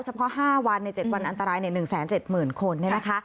เฉพาะ๕วันใน๗วันอันตราย๑๗๐๐๐๐๐คน